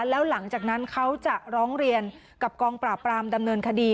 แล้วหลังจากนั้นเขาจะร้องเรียนกับกองปราบปรามดำเนินคดี